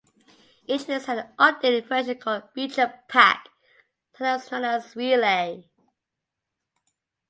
Each release had an updated version called "Feature Pack", sometimes known as "relay".